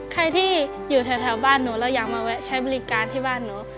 ใครที่อยู่แถวบ้านหนูเราอยากมาแวะใช้บริการที่บ้านหนู